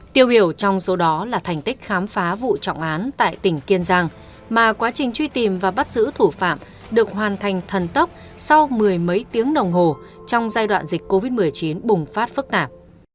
tiêu biểu trong số đó là thành tích khám phá vụ trọng án tại tỉnh kiên giang mà quá trình truy tìm và bắt giữ thủ phạm được hoàn thành thần tốc sau mười mấy tiếng đồng hồ trong giai đoạn dịch covid một mươi chín bùng phát phức tạp